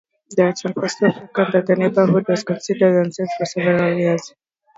The attacks were so frequent that the neighborhood was considered unsafe for several years.